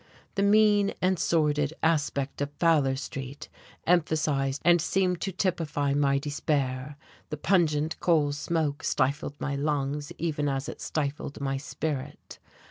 The mean and sordid aspect of Fowler Street emphasized and seemed to typify my despair, the pungent coal smoke stifled my lungs even as it stifled my spirit.